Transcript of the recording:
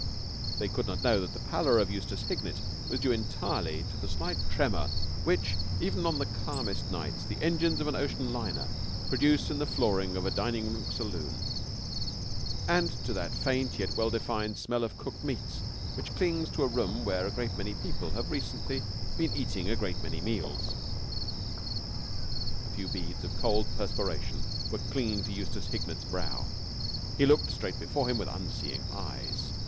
They could not know that the pallor of Eustace Hignett was due entirely to the slight tremor which, even on the calmest nights, the engines of an ocean liner produce in the flooring of a dining saloon and to that faint, yet well defined, smell of cooked meats which clings to a room where a great many people have recently been eating a great many meals. A few beads of cold perspiration were clinging to Eustace Hignett's brow. He looked straight before him with unseeing eyes.